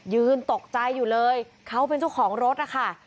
ยืนตกใจอยู่เลยเขาเป็นเจ้าของรถนะคะ